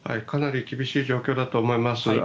かなり厳しい状況だと思います。